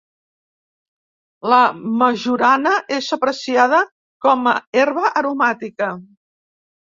La majorana és apreciada com a herba aromàtica.